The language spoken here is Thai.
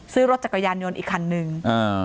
ซื้อรถจักรยานยนต์อีกคันนึงอ่า